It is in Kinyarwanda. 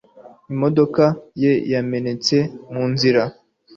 imodoka ye yamenetse munzira